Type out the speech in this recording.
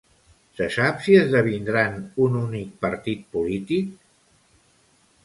Se sap si esdevindran un únic partit polític?